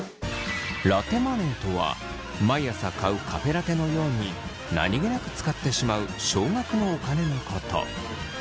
ラテマネーとは毎朝買うカフェラテのように何気なく使ってしまう少額のお金のこと。